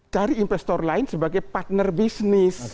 cari investor lain sebagai partner bisnis